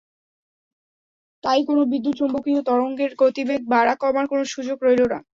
তাই কোনো বিদ্যুৎ–চুম্বকীয় তরঙ্গেরই গতিবেগ বাড়া-কমার কোনো সুযোগ রইল না।